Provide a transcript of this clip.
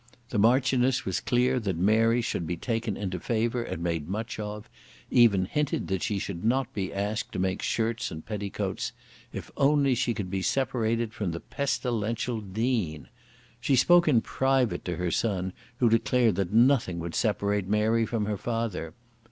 The Marchioness was clear that Mary should be taken into favour and made much of, even hinted that she should not be asked to make shirts and petticoats, if only she could be separated from the pestilential Dean. She spoke in private to her son, who declared that nothing would separate Mary from her father.